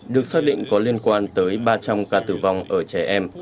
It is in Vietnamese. được xác định có liên quan tới ba trăm linh ca tử vong ở trẻ em